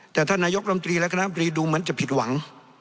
แต่ท่านนายกรมตรีและคณะบรีดูเหมือนจะผิดหวัง